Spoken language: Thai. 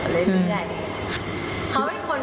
อะไรอย่างเงี้ย